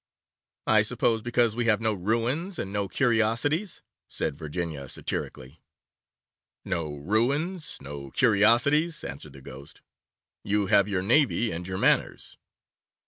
'I suppose because we have no ruins and no curiosities,' said Virginia satirically. 'No ruins! no curiosities!' answered the Ghost; 'you have your navy and your manners.